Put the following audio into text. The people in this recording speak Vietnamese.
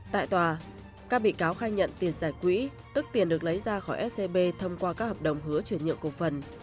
tại tòa các bị cáo khai nhận tiền giải quỹ tức tiền được lấy ra khỏi scb thông qua các hợp đồng hứa chuyển nhượng cổ phần